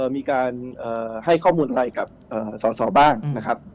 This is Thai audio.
มีการให้ข้อมูลอะไรกับสอสอบ้างนะครับ